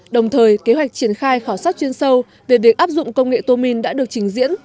đồng thời kế hoạch triển khai khảo sát chuyên sâu về việc áp dụng công nghệ tô minh đã được trình diễn